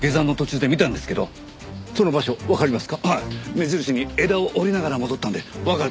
目印に枝を折りながら戻ったんでわかると思います。